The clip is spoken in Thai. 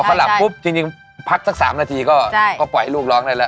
พอเขาหลับปุ๊บจรงนี้พักสัก๓นาทีก็ปล่อยให้ลูกร้องแล้ว